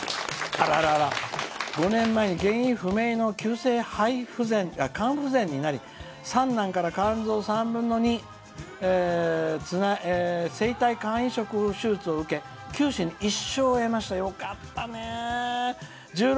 「５年前に原因不明の急性肝不全になり３男から肝臓を３分の２生体肝移植手術を受け九死に一生を得ました。